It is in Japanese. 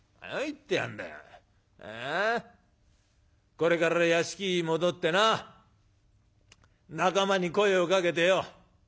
これから屋敷に戻ってな仲間に声をかけてよ